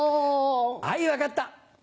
あい分かった。